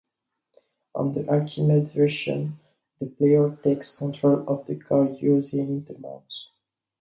On the Archimedes version, the player takes control of the car using the mouse.